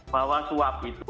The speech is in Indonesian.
bahwa suap itu